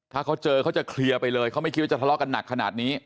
ถ้าเขาเจอเขาจะเคลียร์ไปเลยเขาไม่คิดว่าจะทะเลาะกันหนักขนาดนี้